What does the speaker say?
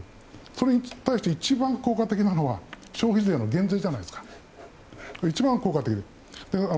それに対して一番効果的なのは消費税の減税じゃないですか。